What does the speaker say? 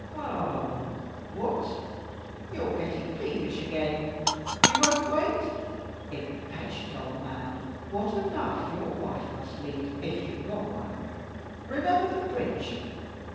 Ah! what, you are getting peevish again? You won't wait? Impatient old man, what a life your wife must lead, if you have got one! Remember the bridge.